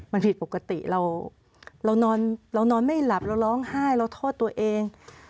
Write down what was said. มันผิดปกติเรานอนเรานอนไม่หลับเราร้องไห้เราทอดตัวเอง